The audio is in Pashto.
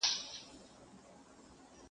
• سپرلی ټینکه وعده وکړي چي را ځمه..